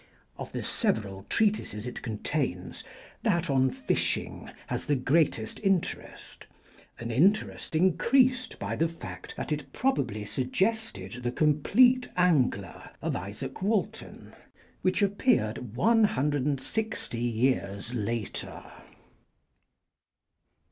Of the several treatises it contains, that on fishing has the greatest interest, an interest increased by the fact that it probably suggested 'The Compleat Angler' of Izaak Walton, which appeared one hundred and sixty years later.